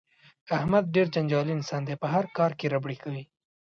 احمد ډېر جنجالي انسان دی په هر کار کې ربړې کوي.